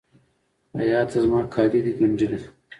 خیاطه! زما کالي د ګنډلي؟